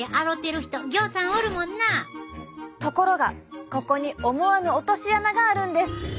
ところがここに思わぬ落とし穴があるんです。